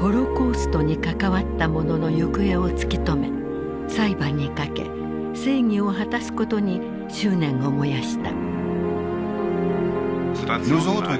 ホロコーストに関わった者の行方を突き止め裁判にかけ正義を果たすことに執念を燃やした。